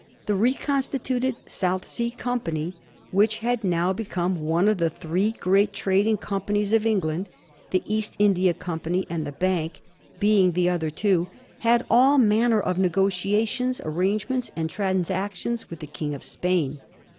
The reconstituted South Sea Company — which had now be come one of the three great trading companies of Eng land, the East India Company and the Bank being the 168 A HISTORY OF TH£ FOUR GEORGES. ch. zxzl other two — had all manner of negotiations, arrangements, and transactions with the King of Spain.